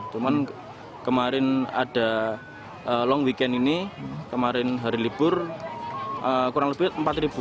cuman kemarin ada long weekend ini kemarin hari libur kurang lebih empat ratus